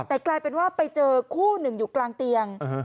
แต่กลายเป็นว่าไปเจอคู่หนึ่งอยู่กลางเตียง